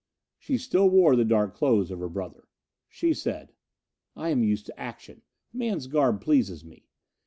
She still wore the dark clothes of her brother. She said, "I am used to action man's garb pleases me.